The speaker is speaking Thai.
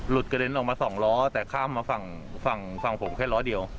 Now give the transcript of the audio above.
กระเด็นออกมาสองล้อแต่ข้ามมาฝั่งฝั่งผมแค่ล้อเดียว